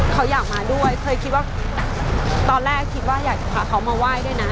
เขาอยากมาด้วยเคยคิดว่าตอนแรกคิดว่าอยากจะพาเขามาไหว้ด้วยนะ